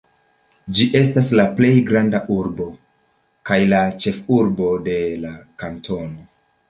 Ĝi estas la plej granda urbo, kaj la ĉefurbo de la kantono.